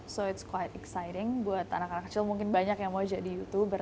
jadi ini cukup menarik buat anak anak kecil mungkin banyak yang mau jadi youtuber